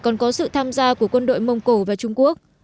còn có sự tham gia của quân đội mông cổ và trung quốc